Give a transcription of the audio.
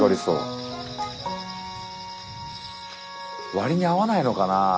割に合わないのかな？